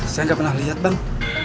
saya nggak pernah lihat bang